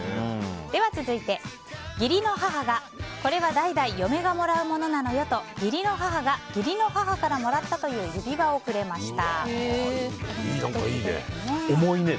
続いて、義理の母がこれは代々嫁がもらうものなのよと義理の母が義理の母からもらったという指輪をくれました。